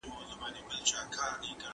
املا د حافظې د پیاوړتیا لپاره غوره لاره ده.